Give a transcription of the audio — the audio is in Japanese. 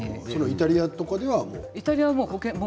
イタリアとかは？